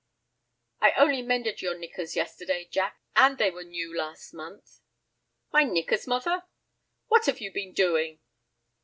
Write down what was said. "I only mended your knickers yesterday, Jack, and they were new last month." "My knickers, mother!" "What have you been doing?"